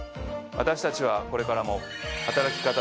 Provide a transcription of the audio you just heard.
私たちはこれからも。